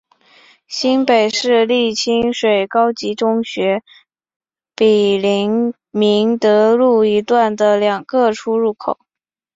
新北市立清水高级中学毗邻明德路一段的两个出入口。